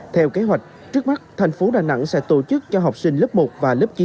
theo kế hoạch trước mắt thành phố đà nẵng sẽ tổ chức cho học sinh lớp một và lớp chín